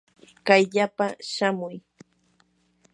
kayllapa shamuy.